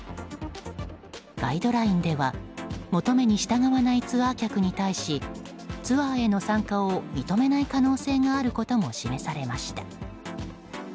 ガイドラインでは求めに従わないツアー客に対しツアーへの参加を認めない可能性があることも示されました。